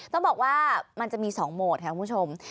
ต้องบอกว่ามันจะมี๒โหมดค่ะคุณผู้ชม